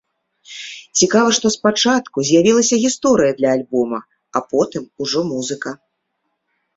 Цікава, што спачатку з'явілася гісторыя для альбома, а потым ужо музыка.